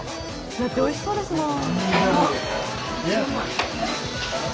だっておいしそうですもん。